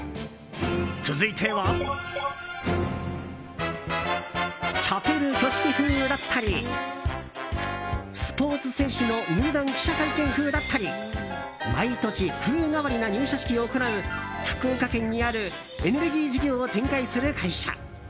続いてはチャペル挙式風だったりスポーツ選手の入団記者会見風だったり毎年、風変わりな入社式を行う福岡県にあるエネルギー事業を展開する会社。